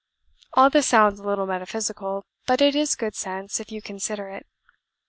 All this sounds a little metaphysical, but it is good sense if you consider it.